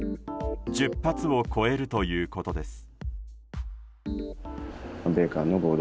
１０発を超えるということです。